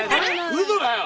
うそだよ！